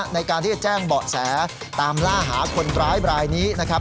ในการที่จะแจ้งเบาะแสตามล่าหาคนร้ายบรายนี้นะครับ